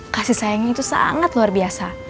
kasih sayangnya itu sangat luar biasa